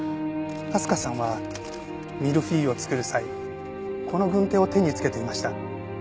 明日香さんはミルフィーユを作る際この軍手を手に着けていました。